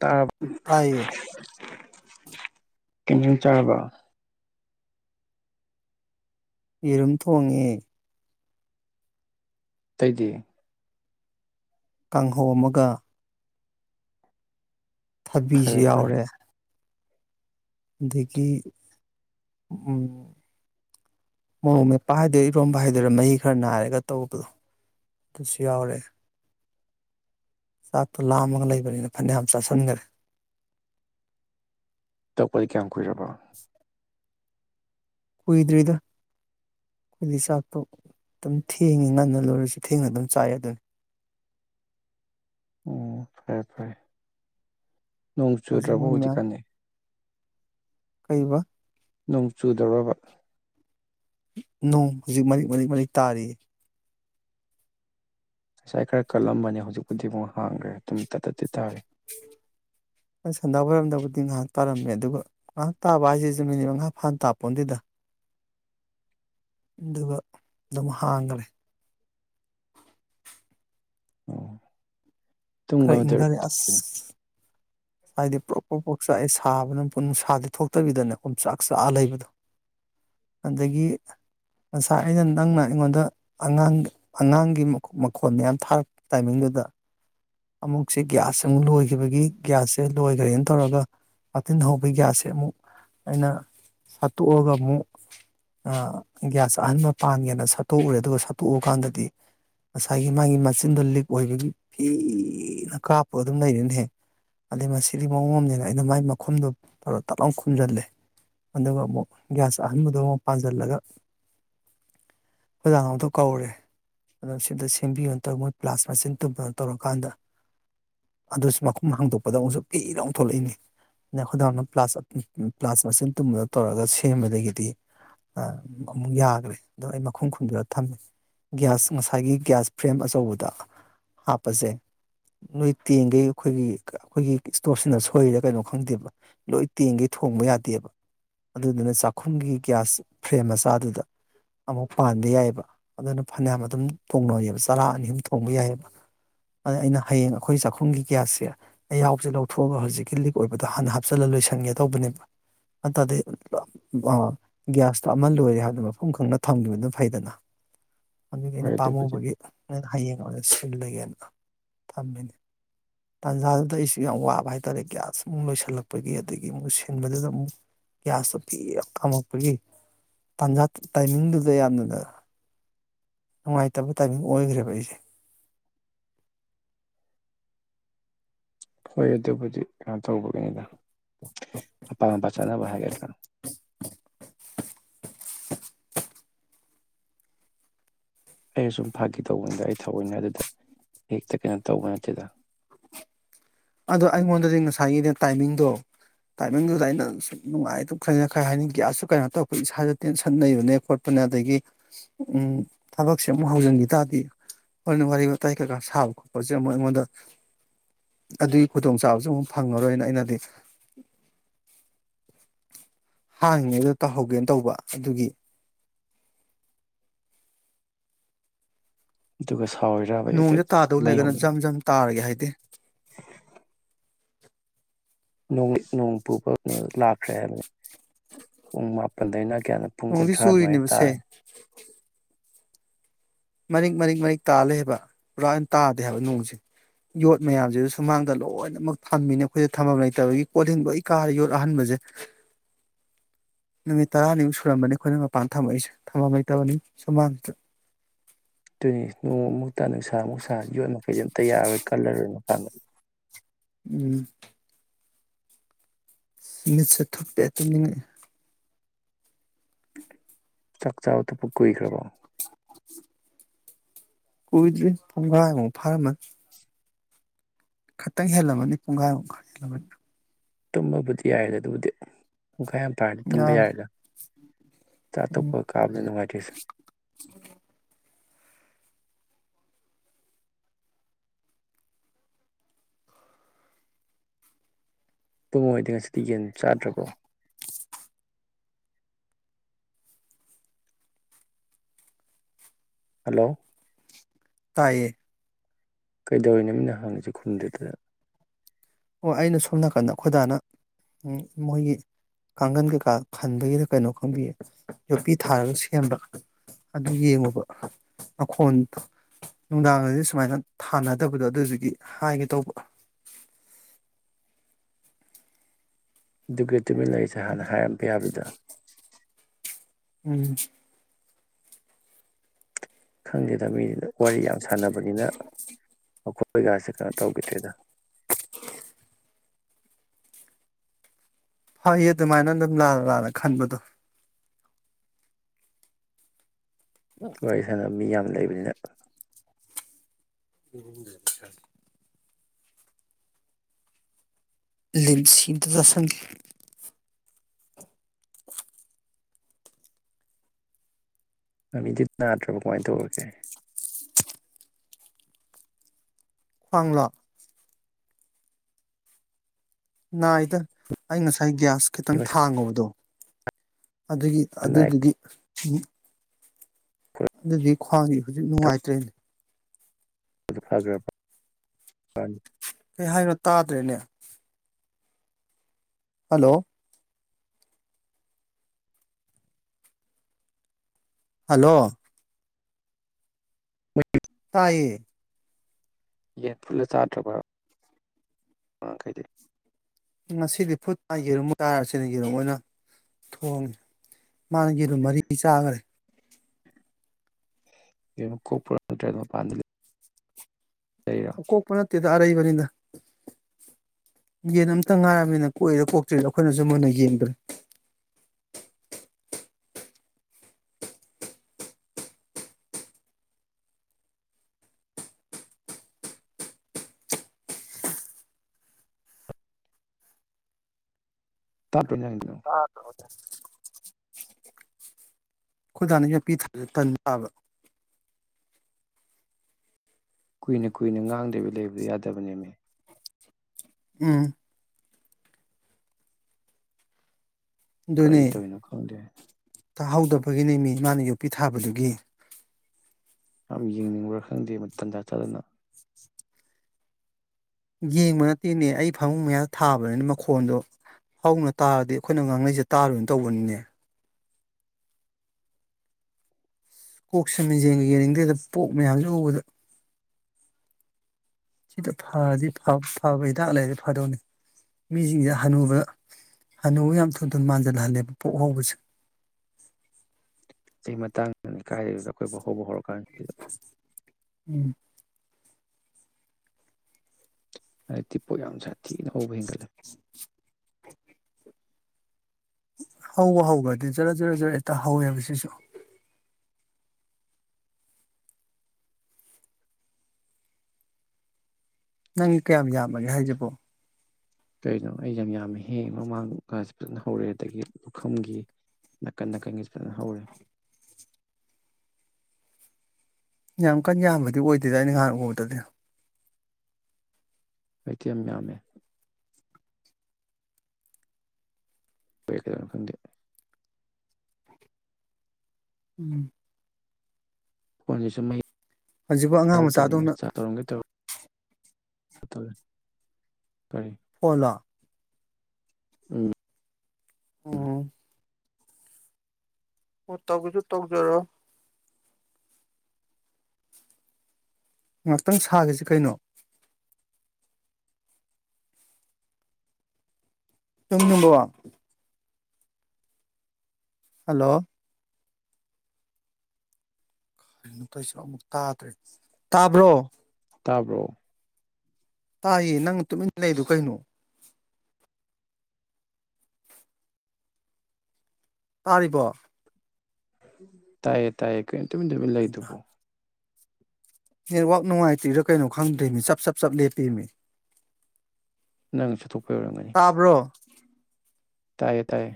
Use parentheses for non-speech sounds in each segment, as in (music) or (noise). ꯇꯥ ꯇꯥꯏꯌꯦ ꯀꯦꯟ ꯆꯥꯔꯔꯕ ꯌꯦꯔꯨꯝ ꯊꯣꯡꯉꯦ ꯇꯩꯗꯤ ꯀꯥꯡꯪꯍꯣꯝꯃꯒ ꯊꯕꯤꯁꯨ ꯐꯔꯦ ꯐꯔꯦ ꯌꯥꯎꯔꯦ ꯑꯗꯒꯤ ꯃꯣꯔꯣꯛ ꯃꯦꯄ ꯍꯥꯏꯗꯣꯏꯔꯥ ꯏꯔꯣꯝꯕ ꯍꯥꯏꯗꯣꯏꯔꯥ ꯃꯍꯤ ꯈꯔ ꯅꯥꯏꯔꯒ ꯇꯧꯕꯗꯣ ꯑꯗꯨꯁꯨ ꯌꯥꯎꯔꯦ ꯆꯥꯛꯇꯣ ꯂꯥꯝꯃꯒ ꯂꯩꯕꯅꯤꯅ ꯐꯅꯌꯥꯝ ꯆꯥꯁꯤꯟꯈꯔꯦ ꯇꯄꯗꯤ ꯀꯌꯥꯝ ꯀꯨꯏꯔꯕ ꯀꯨꯏꯗ꯭ꯔꯤꯗ ꯑꯩꯈꯏꯗꯤ ꯆꯥꯛꯇꯣ ꯑꯗꯨꯝ ꯊꯦꯡꯉꯤ ꯉꯟꯅ ꯂꯣꯏꯔꯁꯨ ꯊꯦꯡꯅ ꯑꯗꯨꯝ ꯆꯥꯏ ꯑꯗꯨꯅꯤ ꯎꯝ ꯐꯔ ꯐꯔꯦ ꯅꯣꯡ ꯍꯧꯖꯤꯛ ꯆꯨ꯭ꯔꯔꯕ ꯃꯣꯏ ꯍꯧꯗꯤ ꯃꯌꯥꯝ ꯀꯥꯟꯅꯅꯤ ꯀꯩꯕ ꯅꯣꯡ ꯆꯨꯗꯧꯔꯕ ꯅꯣꯡ ꯍꯧꯖꯤꯛ ꯃꯔꯤꯛ ꯃꯔꯤꯛ ꯃꯔꯤꯛ ꯇꯥꯔꯤ ꯉꯁꯥꯏ ꯈꯔ ꯀꯜꯂꯝꯕꯅꯦ ꯍꯧꯖꯤꯛꯄꯨꯗꯤ ꯑꯃꯨꯛ ꯍꯥꯡꯈ꯭ꯔꯦ ꯑꯗꯨꯝ ꯇꯠ ꯇꯠ ꯇꯤꯠ ꯇꯥꯔꯦ ꯁꯟꯗꯥ ꯑꯣꯏꯔꯝꯗꯕꯨꯗꯤ ꯉꯥꯏꯍꯥꯛ ꯇꯥꯔꯝꯃꯦ ꯑꯗꯨꯒ ꯉꯥꯏꯍꯥꯛ ꯇꯥꯕ ꯍꯥꯏꯁꯤꯁꯨ ꯃꯤꯅꯤꯠ ꯃꯉꯥ ꯐꯥꯜ ꯇꯥꯞꯄꯣꯟꯗꯨꯗ ꯑꯗꯨꯒ ꯑꯗꯨꯝ ꯍꯥꯡꯈ꯭ꯔꯦ ꯑꯣ ꯈꯔ ꯇꯨꯝꯒꯗꯣꯏꯔꯣ ꯏꯪꯊꯅꯤ ꯑꯁ ꯉꯁ ꯍꯥꯏꯗꯤ ꯄ꯭ꯔꯣꯛ ꯄ꯭ꯔꯣꯛ ꯄꯣꯛꯆꯥꯛꯑ ꯁꯥꯕꯅ ꯅꯨꯡꯁꯥꯗꯤ ꯊꯣꯛꯇꯕꯤꯗꯅ ꯀꯣꯡꯆꯥꯛ ꯆꯥꯛꯑ ꯂꯩꯕꯗꯣ ꯑꯗꯒꯤ ꯉꯁꯥꯏ ꯑꯩꯅ ꯅꯪꯅ ꯑꯩꯉꯣꯟꯗ ꯑꯉꯥꯡ ꯑꯉꯥꯡꯒꯤ ꯃꯈꯣꯟ ꯃꯌꯥꯝ ꯊꯥꯔꯛꯄ ꯇꯥꯏꯃꯤꯡꯗꯨꯗ ꯑꯃꯨꯛꯁꯦ ꯒ꯭ꯌꯥꯁ ꯑꯃꯨꯛ ꯂꯣꯏꯈꯤꯕꯒꯤ ꯒꯤ꯭ꯌꯥꯁꯁꯦ ꯂꯣꯏꯈ꯭ꯔꯦꯅ ꯇꯧꯔꯒ ꯃꯥꯊꯤꯟ ꯍꯧꯕꯒꯤ ꯒꯤꯒ꯭ꯌꯥꯁꯁꯦ ꯑꯃꯨꯛ ꯑꯩꯅ ꯁꯠꯇꯣꯛꯑꯒ ꯑꯃꯨꯛ ꯒꯤꯌꯥꯁ ꯑꯍꯟꯕ ꯄꯥꯟꯒꯦꯅ ꯁꯠꯇꯣꯛꯎꯔꯦ ꯑꯗꯨꯒ ꯁꯠꯇꯣꯛꯑꯀꯥꯟꯗꯗꯤ ꯉꯁꯥꯏꯒꯤ ꯃꯥꯒꯤ ꯃꯆꯤꯟꯗꯣ ꯂꯤꯛ ꯑꯣꯏꯕꯒꯤ ꯐꯤꯅ ꯀꯥꯞꯄꯒ ꯑꯗꯨꯝ ꯂꯩꯔꯦꯅꯦꯍꯦꯛ ꯑꯗꯩ ꯃꯁꯤꯒꯤ ꯃꯑꯣꯡ ꯑꯃꯅꯤꯅ ꯑꯩꯅ ꯃꯥꯏ ꯃꯈꯨꯝꯗꯣ ꯇꯧꯔ ꯇꯞꯂ ꯈꯨꯝꯖꯤꯜꯂꯦ ꯑꯗꯨꯒ ꯑꯃꯨꯛ ꯒ꯭ꯌꯥꯁ ꯑꯍꯟꯕꯗꯣ ꯑꯃꯨꯛ ꯄꯥꯟꯁꯤꯜꯂꯒ ꯑꯣꯖꯥꯅ ꯑꯃꯗ ꯀꯧꯔꯦ ꯑ ꯁꯤꯗ ꯁꯦꯝꯕꯤꯌꯨꯅ ꯇꯧꯒ ꯃꯣꯏ ꯄ꯭ꯂꯥꯁ ꯃꯆꯤꯟ ꯇꯨꯝꯕꯅ ꯇꯧꯔꯀꯥꯟꯗ ꯑꯗꯨꯁꯨ ꯃꯈꯨꯝ ꯍꯥꯡꯗꯣꯛꯄ ꯄꯗ ꯑꯃꯨꯛꯁꯨ ꯀꯤꯔ ꯑꯃꯨꯛ ꯊꯣꯛꯂꯛꯏꯅꯤ ꯑ ꯈꯨꯗꯥꯅ ꯄ꯭ꯂꯥꯁ ꯄ꯭ꯂꯥꯁ ꯃꯆꯤꯟ ꯇꯨꯝꯕꯗ ꯇꯧꯔꯒ ꯁꯦꯝꯕꯗꯒꯤꯗꯤ ꯑꯃꯨꯛ ꯌꯥꯈ꯭ꯔꯦ ꯑꯗꯣ ꯑꯩ ꯃꯈꯨꯝ ꯈꯨꯟꯗꯨꯗ ꯊꯝꯃꯦ ꯒ꯭ꯌꯥꯁ ꯉꯁꯥꯏꯒꯤ ꯒ꯭ꯌꯥꯁ ꯐ꯭ꯔꯦꯝ ꯑꯆꯧꯕꯗ ꯍꯥꯞꯄꯁꯦ ꯅꯣꯏ ꯇꯦꯡꯈꯩ ꯑꯩꯈꯣꯏꯒꯤ ꯑꯩꯈꯣꯏꯒꯤ ꯏꯁꯇꯣꯞꯁꯤꯅ ꯁꯣꯏꯔꯤꯗ ꯀꯩꯅꯣ ꯈꯪꯗꯦꯕ ꯂꯣꯏ ꯇꯦꯡꯒꯦ ꯊꯣꯡꯕ ꯌꯥꯗꯦꯕ ꯑꯗꯨꯗꯨꯅ ꯆꯥꯛꯈꯨꯝꯒꯤ ꯒꯤꯒ꯭ꯌꯥꯁ ꯐ꯭ꯔꯦꯝ ꯃꯆꯥꯗꯨꯗ ꯑꯃꯨꯛ ꯄꯥꯟꯕꯕ ꯌꯥꯏꯑꯕ ꯑꯗꯨꯅ ꯐꯅꯌꯥꯝ ꯑꯗꯨꯝ ꯊꯣꯡꯅꯌꯦꯕ ꯆꯔꯥ ꯑꯅꯤ ꯑꯍꯨꯝ ꯊꯣꯡꯕ ꯌꯥꯏꯑꯕ ꯑ ꯑꯩꯅ ꯍꯌꯦꯡ ꯑꯩꯈꯣꯏ ꯆꯥꯛꯈꯨꯝꯒꯤ ꯒꯤꯒ꯭ꯌꯥꯁꯁꯦ ꯑꯍꯎꯁꯦ ꯂꯧꯊꯣꯛꯑꯒ ꯍꯧꯖꯤꯛꯀꯤ ꯂꯤꯛ ꯑꯣꯏꯕꯗ ꯍꯥꯟꯅ ꯍꯥꯞꯆꯤꯜꯂ ꯂꯣꯏꯁꯤꯟꯒꯦ ꯇꯧꯕꯅꯦꯕ ꯑꯗꯨꯗꯤ ꯒ꯭ꯌꯥꯁꯇꯣ ꯑꯃ ꯂꯣꯏꯔꯦ ꯍꯥꯏꯕꯗ ꯃꯐꯝ ꯈꯪꯅ ꯊꯝꯈꯤꯕꯗꯨ ꯐꯩꯗꯅ ꯑꯗꯨꯒꯤ ꯍꯣꯏ ꯑꯩꯅ ꯑꯗꯨꯕꯨꯗꯤ ꯄꯥꯝꯃꯨꯕꯒꯤꯩꯅ ꯍꯌꯦꯡꯉ ꯁꯤꯜꯂꯒꯦꯅ ꯊꯝꯃꯤꯅꯤ ꯇꯟꯖꯥ ꯑꯗ ꯑꯩꯁꯨ ꯌꯥꯝ ꯋꯥꯕ ꯍꯥꯏꯇꯥꯔꯦ ꯒ꯭ꯌꯥꯁ ꯑꯃꯨꯛ ꯂꯣꯏꯁꯤꯜꯂꯛꯄꯒꯤ ꯑꯗꯒꯤ ꯑꯃꯨꯛ ꯁꯤꯟꯕꯗꯨꯗ ꯑꯃꯨꯛ ꯒ꯭ꯌꯥꯁꯇꯣ ꯄꯤꯔ ꯀꯥꯝꯃꯛꯄꯒꯤ ꯇꯟꯖꯥ ꯇꯥꯏꯃꯤꯡꯗꯨꯗ ꯌꯥꯝꯅꯅ ꯅꯨꯡꯉꯥꯏꯇꯕ ꯇꯥꯏꯃꯤꯡ ꯑꯣꯏꯈ꯭ꯔꯦꯕ ꯑꯩꯁꯦ ꯍꯣꯏ ꯑꯗꯨꯕꯨꯗꯤ ꯀꯩꯅꯣ ꯇꯧꯕꯒꯤꯅꯤꯗ ꯑꯄꯥ ꯃꯄꯥ ꯆꯥꯅꯕ ꯍꯥꯏꯒꯗ꯭ꯔꯥ ꯑꯩ ꯑꯁꯨꯝ ꯐꯥꯈꯤ ꯇꯧꯕꯅꯤꯗ ꯑꯩ ꯊꯑꯣꯏꯅ ꯑꯗꯨꯗ ꯍꯦꯛꯇ ꯀꯩꯅꯣ ꯇꯧꯕ ꯅꯠꯇꯦꯗ ꯑꯗꯣ ꯑꯩꯉꯣꯟꯗꯗꯤ ꯉꯁꯥꯏꯒꯤꯅꯦ ꯇꯥꯏꯃꯤꯡꯗꯣ ꯇꯥꯏꯃꯤꯡꯗꯨꯗ ꯑꯩꯅ ꯁꯨꯝ ꯅꯨꯡꯉꯥꯏꯇ ꯈꯔꯅ ꯈꯔ ꯍꯥꯏꯅꯤꯡꯈꯤ ꯑꯁꯨ ꯀꯩꯅꯣ ꯇꯧꯔꯛꯄ ꯏꯁꯥꯗ ꯇꯦꯟꯁꯟ ꯂꯩꯩꯕꯅꯦ ꯈꯣꯠꯄꯅꯦ ꯑꯗꯒꯤ ꯊꯕꯛꯁꯦ ꯑꯃꯨꯛ ꯍꯧꯖꯤꯟꯈꯤ ꯇꯥꯔꯗꯤ ꯍꯣꯔꯅ ꯋꯥꯔꯤ ꯋꯥꯇꯥꯏ ꯀꯩꯀꯥ ꯁꯥꯕ ꯈꯣꯠꯄꯁꯦ ꯑꯃꯨꯛ ꯑꯩꯉꯣꯟꯗ ꯑꯗꯨꯒꯤ ꯈꯨꯗꯣꯡꯆꯥꯥꯕꯁꯨ ꯑꯃꯨꯛ ꯐꯪꯉꯔꯣꯏꯅ ꯑꯩꯅꯗꯤ ꯍꯥꯡꯉꯤꯉꯩꯗ ꯇꯧꯍꯧꯒꯦꯅ ꯇꯧꯕ ꯑꯗꯨꯒꯤ ꯑꯗꯨꯒꯒꯁ ꯅꯣꯡꯁ ꯇꯥꯗꯧ ꯂꯩꯔꯒꯅ ꯖꯝ ꯖꯝ ꯇꯥꯔꯒꯦ ꯍꯥꯏꯗꯤꯦ ꯅꯣꯡ ꯄꯨꯕꯩꯅ ꯂꯥꯛꯈ꯭ꯔꯦ ꯍꯥꯏꯕꯅꯤ ꯄꯨꯡ ꯃꯥꯄꯜꯗꯩꯅ ꯀꯌꯥꯅ ꯄꯨꯡ ꯅꯣꯡꯗꯤ ꯀꯨꯟꯊ꯭ꯔꯥ ꯑꯗꯨꯃꯥꯏꯅ ꯇꯥꯔꯦ ꯆꯨꯔꯤꯅꯦꯕꯁꯦ ꯃꯔꯤꯛ ꯃꯔꯤꯛ ꯃꯔꯤꯛ ꯇꯥꯜꯂꯦꯕ ꯄꯨꯔꯥꯅ ꯇꯥꯗꯦ ꯍꯥꯏꯕ ꯅꯣꯡꯁꯦ ꯌꯣꯠ ꯃꯌꯥꯝꯁꯤꯗ ꯁꯨꯃꯥꯡꯗ ꯂꯣꯏꯅꯃꯛ ꯊꯝꯃꯤꯅ ꯑꯩꯈꯣꯏꯗ ꯊꯝꯃꯝ ꯂꯩꯇꯕꯒꯤ ꯀꯣꯜꯍꯟ ꯂꯣꯏ ꯀꯥꯔꯦ ꯌꯣꯠ ꯑꯍꯟꯕꯁꯦ ꯅꯨꯃꯤꯠ ꯇꯔꯥꯅꯤꯃꯨꯛ ꯁꯨꯔꯝꯕꯅꯤ ꯑꯩꯈꯣꯏꯅ ꯃꯄꯥꯟꯗ ꯊꯝꯃꯛꯏꯁꯦ ꯊꯝꯃꯝ ꯂꯩꯇꯕꯅꯤ ꯁꯨꯃꯥꯡꯁꯤꯗ ꯑꯗꯨꯅꯤ ꯅꯣꯃꯨꯛꯇ ꯅ ꯁꯃꯨ ꯁ ꯌꯣꯠ ꯃꯈꯩꯗꯤ ꯑꯝꯇ ꯌꯥꯔꯣꯏ ꯇꯂꯒꯅ ꯊꯥꯟ ꯎꯝ ꯃꯤꯠꯁꯦ ꯊꯣꯛꯇꯦ ꯇꯨꯝꯅꯤꯡꯉꯛ ꯆꯥꯛꯆꯥ ꯇꯣꯞꯄꯛ ꯀꯨꯏꯈ꯭ꯔꯕ ꯀꯨꯏꯗ꯭ꯔꯤ ꯄꯨꯡꯈꯥꯏꯃꯨꯛ ꯐꯥꯔꯝꯃꯦ ꯈꯛꯇꯪ ꯍꯦꯜꯂꯕꯅꯤ ꯄꯨꯡꯈꯥꯏꯃꯨꯛ ꯈꯔ ꯍꯦꯜꯂꯕꯅꯤ ꯇꯨꯝꯃꯕꯨꯗꯤ ꯌꯥꯏꯔꯦ ꯑꯗꯨꯕꯨꯗꯤ ꯄꯨꯡꯈꯥ ꯌꯥꯝ ꯄꯥꯔꯗꯤ ꯇꯨꯝꯕ ꯌꯥꯔꯦ ꯌꯥꯔꯦꯗ ꯆꯥꯇ ꯎꯝ ꯀꯣꯏ ꯀꯥꯕ ꯅꯅꯨꯡꯉꯥꯏꯇꯁ ꯇꯨꯡꯣꯏꯗꯤ ꯉꯁꯤꯗꯤ ꯌꯦꯟ ꯆꯥꯗ꯭ꯔꯕꯣ ꯍꯜꯂꯣ ꯇꯥꯏꯌꯦ ꯀꯩꯗꯧꯔꯤꯅ ꯃꯤꯅ ꯍꯪꯉꯁꯤ ꯈꯨꯟꯗꯨꯗ ꯑꯣ ꯑꯩꯅ ꯁꯣꯝ ꯅꯥꯀꯟꯗ ꯑꯩꯈꯣꯏꯗꯥꯅ ꯃꯣꯏꯒꯤ ꯀꯥꯡꯒꯟ ꯀꯩꯀꯥ ꯈꯟꯕꯒꯤꯅ ꯀꯩꯅꯣ ꯈꯪꯕꯤꯌꯦ ꯌꯣꯠꯄꯤ ꯊꯥꯔꯒ ꯁꯦꯝꯕ ꯑꯗꯨ ꯌꯦꯡꯉꯨꯕ ꯃꯈꯈꯣꯟꯗꯣ ꯅꯨꯡꯗꯥꯡꯗꯗꯤ ꯁꯨꯃꯥꯏꯅ ꯊꯥꯅꯗꯕꯗꯣ ꯑꯗꯨꯗꯨꯒꯤ ꯍꯥꯏꯒꯦ ꯇꯧꯕ ꯗꯨ ꯇꯨꯃꯤꯟꯅ ꯂꯩꯔꯤꯁꯦ ꯍꯥꯟꯅ ꯍꯥꯏꯔꯝꯕ ꯌꯥꯕꯗ ꯎꯝ ꯈꯪꯗꯦ ꯃꯤ ꯋꯥꯔꯤ ꯌꯥꯝ ꯁꯥꯟꯅꯕꯅꯤꯅ ꯃꯈꯣꯏꯒꯁꯦ ꯀꯩꯅꯣ ꯇꯧꯈꯤꯗ꯭ꯔꯦꯗ ꯍ ꯐꯩꯌꯦ ꯑꯗꯨꯃꯥꯏꯅ ꯑꯗꯨꯝ ꯂꯥꯜꯂ ꯂꯥꯜꯂ ꯈꯟꯕꯗꯣ ꯀ ꯁꯅ ꯃꯤ ꯌꯥꯝ ꯂꯩꯕꯅꯤꯅ ꯎꯝ ꯂꯦꯝꯁꯤꯗꯗ ꯁꯪꯒꯤꯦ ꯑꯗꯨꯗꯤꯅꯅꯥꯠꯇ꯭ꯔꯕ ꯀꯃꯥꯏꯅ ꯇꯧꯔꯒꯦ ꯈ꯭ꯣ ꯑꯩꯗ ꯑꯅ ꯑꯩ ꯒ꯭ꯌꯥꯁ ꯃꯤ ꯈꯤꯇꯪ ꯃꯁꯥ ꯊꯥꯡꯉꯨꯕꯗꯣ ꯑꯗꯨꯒꯤ ꯅꯥꯏ ꯑꯗꯨꯗꯨꯒꯤ ꯈꯣꯠꯂꯤ ꯑꯗꯨꯗꯤ ꯈ꯭ꯋꯥꯡꯁꯤ ꯍꯧꯖꯤꯛ ꯅꯨꯡꯉꯥꯏꯇ꯭ꯔꯦꯅꯦ ꯑ ꯐꯖ ꯀꯩ ꯍꯥꯏꯅꯣ ꯇꯥꯗ꯭ꯔꯦꯅꯦ ꯍꯜꯂꯣ ꯍꯜꯂꯣ ꯎ ꯇꯥꯏꯌꯦ ꯌꯦꯟ ꯐꯨꯂ ꯆꯥꯗ꯭ꯔꯕ ꯃꯃꯥꯡꯈꯩꯗꯤ ꯉꯁꯤꯗꯤ ꯐꯨꯠ ꯌꯦꯔꯨꯝ ꯀꯥꯏꯔꯁꯤꯅ ꯌꯦꯔꯨꯝ ꯑꯣꯏꯅ ꯊꯣꯡꯉꯦ ꯃꯥꯅ ꯌꯦꯔꯨꯝ ꯃꯔꯤ ꯆꯥꯈ꯭ꯔꯦ ꯣ꯭ꯔ ꯄꯥꯟ ꯍꯣ ꯇꯦꯗ ꯑꯔꯩꯕꯅꯤꯗ ꯌꯦꯟ ꯑꯝꯇ ꯉꯥꯏꯔꯕꯅꯤꯅ ꯀꯣꯛꯏꯔ ꯀꯣꯛꯇ꯭ꯔꯤꯗ ꯑꯩꯈꯣꯏꯅꯁꯨ ꯃꯨꯟꯅ ꯌꯦꯡꯗ꯭ꯔꯦ ꯇꯠ ꯅꯣ ꯑꯩꯣꯏꯗꯥꯥꯅ ꯇꯥꯕ ꯀꯨꯏꯅ ꯀꯨꯏꯅ ꯉꯥꯡꯗꯕ ꯂꯩꯕꯗꯨ ꯌꯥꯗꯕ ꯅꯃꯤ ꯎꯝ ꯀꯔꯤ ꯑꯗꯨꯅꯦ ꯇꯧꯔꯤꯅꯣ ꯈꯪꯗꯦ ꯇꯥꯍꯧꯗꯕ ꯒꯤꯅꯤ ꯃꯤ ꯃꯥꯅ ꯌꯣꯛꯄꯤ ꯊꯥꯕꯗꯨꯒꯤ ꯌꯥꯝ ꯌꯦꯡꯅꯤꯡꯕ꯭ꯔꯥ ꯈꯪꯗꯦꯟꯖꯥ ꯆꯥꯗꯅ ꯌꯦꯡꯕ ꯅꯠꯇꯦꯅꯦ ꯑꯩ ꯐꯃꯨꯡ ꯃꯌꯥ ꯊꯥꯕꯅꯤꯅ ꯃꯈꯣꯟꯗꯣ ꯍꯧꯅ ꯇꯥꯔꯗꯤ ꯑꯩꯈꯣꯏꯅ ꯉꯥꯡꯅꯩꯁꯦ ꯇꯥꯔꯣꯏꯅ ꯇꯧꯕꯅꯤꯅꯦ ꯀꯣꯛꯁ ꯃꯦꯟꯖꯦꯟꯒ ꯌꯦꯡꯅꯤꯡꯗꯦꯗ ꯀꯣꯛ ꯃꯌꯥꯝꯁꯦ ꯎꯕꯗ ꯁꯤꯗ ꯐꯔꯗꯤ ꯐꯕ ꯍꯤꯗꯥꯛ ꯂꯩꯔꯗꯤ ꯐꯗꯧꯅꯤ ꯃꯤꯁꯤꯡꯁꯤꯦ ꯍꯅꯨꯕ ꯍꯅꯨ ꯌꯥꯝ ꯊꯨ ꯊꯨ ꯃꯥꯟꯁꯤꯜꯍꯜꯂꯦꯕ ꯄꯣꯛ ꯍꯧꯕꯁ ꯑꯩ ꯃꯇꯥꯡ ꯏꯀꯥꯏꯕꯗ ꯑꯩꯈꯣꯏ ꯍꯣꯧꯕ ꯍꯧꯔꯛꯀꯥꯟꯁꯤ ꯎꯝ ꯍꯥꯏ ꯇꯤꯄꯒꯒꯥꯁ ꯊꯤꯅ ꯍꯧꯕ ꯍꯦꯟꯒ꯭ꯔꯗ (inaudible) ꯍꯧꯕ ꯍꯧꯕ ꯑꯗꯨ ꯖꯔ ꯖꯔ ꯖꯔꯦ ꯍꯦꯛꯇ ꯍꯧꯋꯦ ꯁꯤꯁꯨ ꯅꯪ ꯀꯌꯥꯝ ꯌꯥꯝꯃꯒꯦ ꯍꯥꯏꯖꯕꯣ ꯀꯩꯅꯣ ꯑꯩ ꯌꯥꯝ ꯌꯥꯝ ꯍꯦꯡꯉ ꯃꯃꯥꯡꯒꯁꯨ ꯐꯖꯅ ꯍꯧꯔꯦ ꯑꯗꯒꯤ ꯄꯨꯈꯝꯒꯤ ꯅꯥꯀꯟ ꯅꯥꯀꯟꯒꯤꯁꯨ ꯐꯖꯅ ꯍꯧꯔꯦ ꯌꯥꯝ ꯀꯟ ꯌꯥꯝꯕꯗꯤ ꯑꯣꯏꯗꯣꯏꯗ꯭ꯔ ꯑꯩꯅ ꯉꯍꯥꯟ ꯎꯕꯗꯗꯤ ꯍꯥꯏꯗꯤ ꯌꯥꯝ ꯌꯥꯝꯃꯦ ꯑꯣꯏ ꯀꯗ ꯈꯗ ꯎꯝ ꯄꯨ ꯁ ꯃꯩ ꯍꯧꯖꯤꯛꯐ ꯑꯉꯥꯡ ꯃꯆꯥꯗꯧꯅ ꯦ ꯀꯥꯏ ꯐꯣꯅꯥ ꯎꯝ ꯎꯝ ꯑꯣ ꯇꯒꯁꯨ ꯇꯒꯖꯔꯣ ꯉꯍꯥꯛꯇꯪ ꯁꯥꯈꯤꯁꯤ ꯀꯩꯅꯣ ꯇꯨꯝꯕ ꯋꯥ ꯍꯜꯂꯣ ꯅꯠꯇꯁꯤ ꯑꯃꯨꯛ ꯇꯥꯗ꯭ꯔꯦ ꯇꯥꯕ꯭ꯔꯣ ꯇꯥꯕ꯭ꯔꯣ ꯇꯥꯏꯌꯦ ꯅꯪꯅ ꯇꯨꯃꯤꯟꯅ ꯂꯩꯛꯏꯗꯨ ꯀꯩꯅꯣ ꯇꯥꯔꯤꯕꯣ ꯇꯥꯏꯌꯦ ꯇꯥꯏꯌꯦ ꯀ ꯇꯃꯤ ꯇꯦꯃꯤꯦꯟ ꯂꯥꯏ ꯍꯩꯃꯥ ꯇꯧꯕꯣ ꯅꯦꯠꯋꯥꯛ ꯅꯨꯡꯉꯥꯏꯇ꯭ꯔꯤꯔꯣ ꯀꯩꯅꯣ ꯈꯪꯗ꯭ꯔꯤꯃꯤ ꯆꯞ ꯆꯞ ꯆꯞ ꯂꯦꯞꯄꯤꯃꯤ ꯅꯪ ꯆꯠꯊꯣꯛꯄ ꯑꯣꯏꯔꯝꯒꯅꯤ ꯇꯥꯏꯌꯦ ꯇꯥꯏꯌꯦ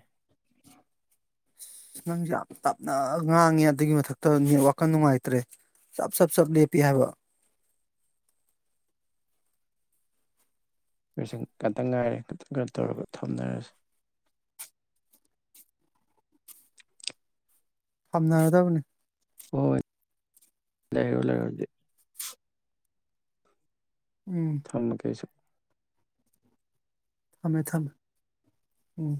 ꯅꯪꯁꯨꯦ ꯌꯥꯝ ꯇꯞꯅ ꯉꯥꯡꯉꯦ ꯑꯗꯨꯒꯤ ꯃꯊꯛꯇ ꯅꯦꯠ ꯋꯥꯈꯜ ꯅꯨꯡꯉꯥꯏꯇ꯭ꯔꯦ ꯆꯞ ꯆꯞ ꯆꯞ ꯂꯦꯞꯄꯤ ꯍꯥꯏꯕ ꯃꯣꯏꯁꯤꯡ ꯈꯇꯪ ꯉꯥꯏꯔꯦ ꯇꯪꯩꯅ ꯇꯧꯔꯒ ꯊꯝꯅꯔꯁꯤ ꯊꯝꯅꯔꯗꯕꯅꯤ ꯍꯣꯏ ꯍꯣꯏ ꯂꯩꯔꯣ ꯂꯩꯔꯣꯗꯤ ꯎꯝ ꯊꯅ ꯀꯩꯁꯨ ꯊꯝꯃꯦ ꯊꯝꯃꯦ ꯎꯝ